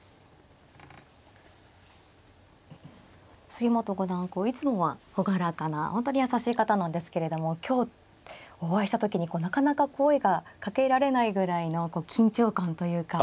杉本五段はいつもは朗らかな本当に優しい方なんですけれども今日お会いした時になかなか声がかけられないぐらいの緊張感というか。